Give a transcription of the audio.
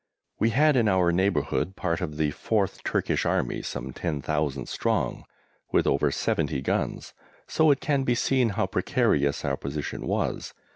We had in our neighbourhood part of the 4th Turkish Army, some 10,000 strong, with over 70 guns, so it can be seen how precarious our position was.